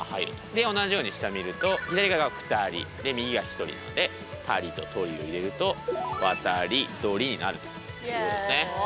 で同じように下見ると左側が２人右が１人なので「たり」と「とり」を入れると「わたりどり」になるということですね。